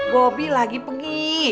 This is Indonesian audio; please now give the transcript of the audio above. bobi lagi pergi